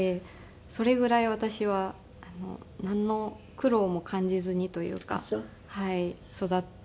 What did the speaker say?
それぐらい私はなんの苦労も感じずにというか育ててもらいました。